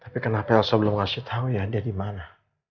tapi kenapa saya belum kasih tahu ya dia di mana